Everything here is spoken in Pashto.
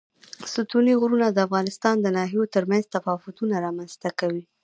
ستوني غرونه د افغانستان د ناحیو ترمنځ تفاوتونه رامنځ ته کوي.